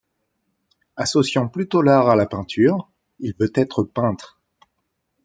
Associant plutôt l’art à la peinture, il veut être peintre.